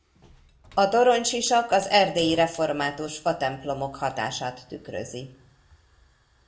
A toronysisak az erdélyi református fatemplomok hatását tükrözi.